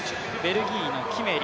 ベルギーのキメリ。